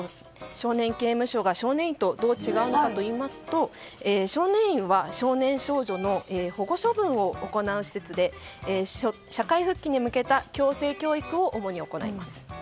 少年刑務所が少年院とどう違うのかといいますと少年院は少年少女の保護処分を行う施設で社会復帰に向けた矯正教育を主に行います。